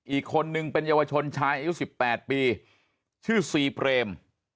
อีกคนนึงเป็นเยาวชนชายอายุ๑๘ปีชื่อซีเปรม